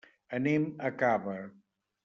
Anem a Cava.